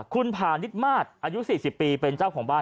คุณพาณิชมาศอายุ๔๐ปีเป็นเจ้าของบ้าน